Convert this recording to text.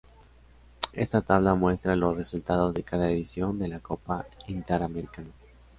Esta tabla muestra los resultados de cada edición de la Copa Interamericana.